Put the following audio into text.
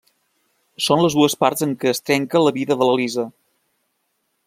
Són les dues parts en què es trenca la vida de l'Elisa.